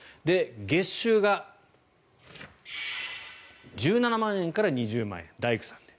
月収が１７万円から２０万円大工さんで。